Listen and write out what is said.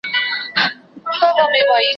کاروان تېرېږي، سپي غپېږي.